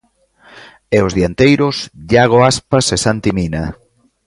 E os dianteiros, Iago Aspas e Santi Mina.